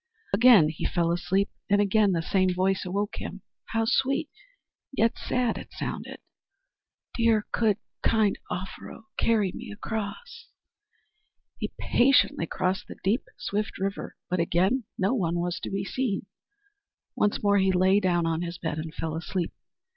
Again he fell asleep and again the same voice awoke him. How sweet, yet sad it sounded! "Dear, good, kind Offero, carry me across!" He patiently crossed the deep, swift river, but again no one was to be seen. Once more he lay down in his bed and fell asleep.